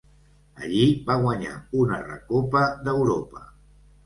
Allí va guanyar una Recopa d'Europa.